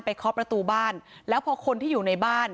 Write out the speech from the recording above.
เคาะประตูบ้านแล้วพอคนที่อยู่ในบ้าน